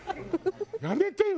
やめてよ？